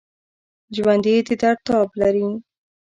ژوندي د درد تاب لري